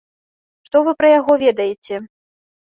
Што вы пра яго ведаеце?